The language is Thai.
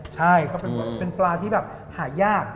ใช่เป็นปลาที่หายาก